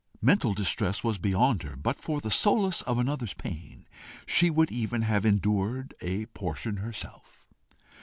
Mental distress was beyond her, but for the solace of another's pain she would even have endured a portion herself.